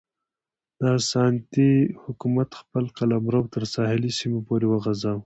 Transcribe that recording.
د اسانتي حکومت خپل قلمرو تر ساحلي سیمو پورې وغځاوه.